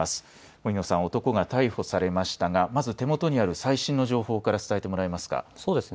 森野さん、男が逮捕されましたがまず手元にある最新の情報から伝えてもらえますかそうですね。